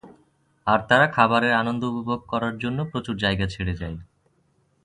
আর তারা খাবারের আনন্দ উপভোগ করার জন্য প্রচুর জায়গা ছেড়ে যায়।